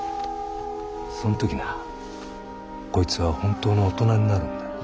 その時なこいつは本当の大人になるんだ。